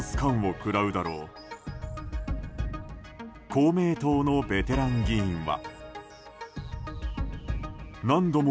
公明党のベテラン議員は。